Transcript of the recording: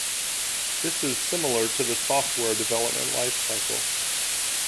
This is similar to the software development life cycle.